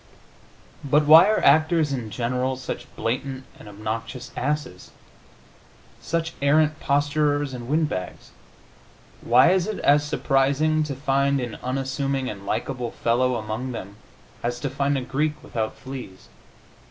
But why are actors, in general, such blatant and obnoxious asses, such arrant posturers and wind bags? Why is it as surprising to find an unassuming and likable fellow among them as to find a Greek without fleas?